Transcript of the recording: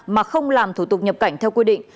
mà không làm thủ tục nhập cảnh theo quy định